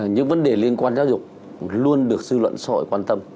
những vấn đề liên quan giáo dục luôn được dư luận xã hội quan tâm